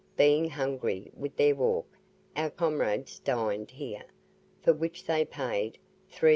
Being hungry with their walk, our comrades dined here, for which they paid 3s.